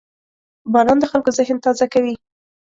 • باران د خلکو ذهن تازه کوي.